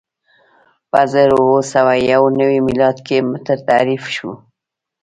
په زر اووه سوه یو نوې میلادي کې متر تعریف شو.